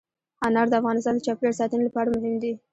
انار د افغانستان د چاپیریال ساتنې لپاره مهم دي.